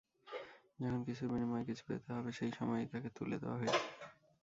যখন কিছুর বিনিময়ে কিছু পেতে হবে, সেই সময়েই তাঁকে তুলে দেওয়া হয়েছে।